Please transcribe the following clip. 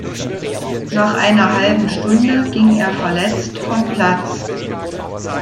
Nach einer halben Stunde ging er verletzt vom Platz.